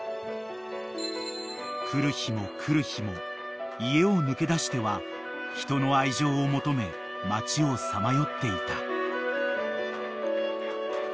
［来る日も来る日も家を抜け出しては人の愛情を求め街をさまよっていた］